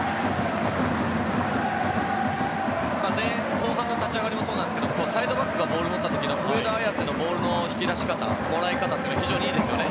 後半の立ち上がりもそうなんですがサイドバックがボールを持った時の上田綺世のボールの引き出し方もらい方が非常にいいですね。